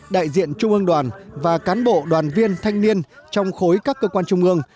đại diện trung ương đoàn và cán bộ đoàn viên thanh niên trong khối các cơ quan trung ương